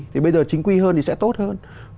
thì bây giờ chính quy hơn thì sẽ tốt hơn